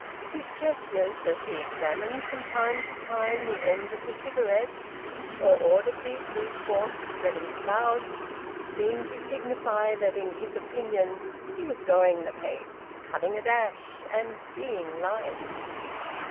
His gestures, as he examined from time to time the end of the cigarette, or audibly blew forth spreading clouds, seemed to signify that in his opinion he was going the pace, cutting a dash, and seeing life.